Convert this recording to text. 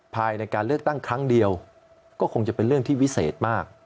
ภายในการเลือกตั้งครั้งเดียวก็คงจะเป็นเรื่องที่วิเศษมาก